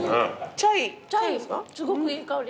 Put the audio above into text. すごくいい香り。